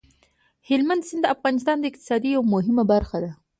هلمند سیند د افغانستان د اقتصاد یوه مهمه برخه ده.